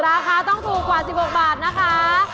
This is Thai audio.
ราคาต้องถูกกว่า๑๖บาทนะคะ